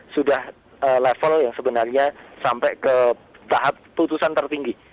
sudah level yang sebenarnya sampai ke tahap putusan tertinggi